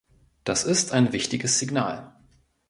Das ist ein wichtiges Signal.